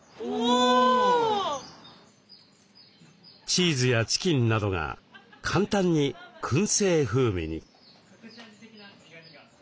チーズやチキンなどが簡単にくん製風味に。